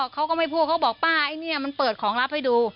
เขาก็ไม่พูดเขาบอกป้าไอ้เนี่ยมันเปิดของลับให้ดู